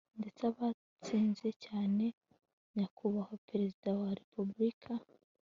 ndetse abatsinze cyane nyakubahwa perezida wa repubulika